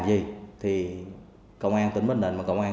phải khó cầu